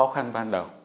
những khó khăn ban đầu